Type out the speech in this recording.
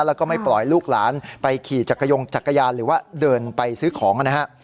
แล้วก็ไม่ปล่อยลูกหลานไปขี่จักรยงจักรยานหรือว่าเดินไปซื้อของนะฮะ